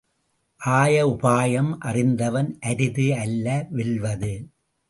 ஆய உபாயம் அறிந்தவன், அரிது அல்ல வெல்வது.